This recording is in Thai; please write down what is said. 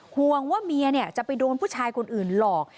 ห่วงว่าเมียจะไปโดนผู้ชายคนอื่นหลอก